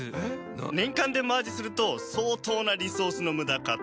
年間でマージすると相当なリソースの無駄かと。